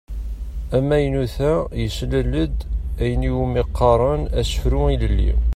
Amaynut-a yeslal-d ayen i wumi qqaren asefru ilelli.